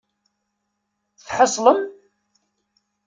Tḥeṣlem?